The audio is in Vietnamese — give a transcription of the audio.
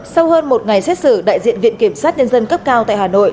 sau hơn một ngày xét xử đại diện viện kiểm sát nhân dân cấp cao tại hà nội